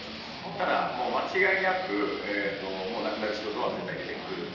ただもう間違いなく、もうなくなる仕事は絶対出てくる。